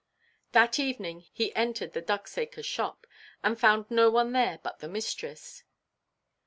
That evening he entered the Ducksacre shop, and found no one there but the mistress.